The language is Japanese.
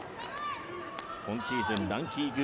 今シーズン、ランキング